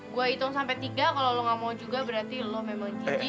gue hitung sampai tiga kalau lo gak mau juga berarti lo memang gigi